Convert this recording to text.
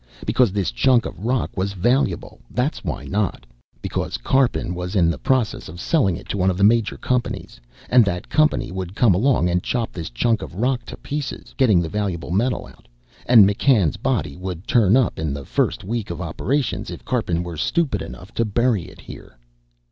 Because this chunk of rock was valuable, that's why not. Because Karpin was in the process of selling it to one of the major companies, and that company would come along and chop this chunk of rock to pieces, getting the valuable metal out, and McCann's body would turn up in the first week of operations if Karpin were stupid enough to bury it here.